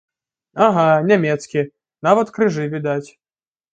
Ага, нямецкі, нават крыжы відаць.